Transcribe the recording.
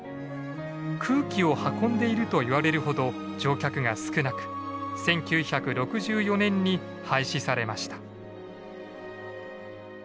「空気を運んでいる」といわれるほど乗客が少なく１９６４年に廃止されました。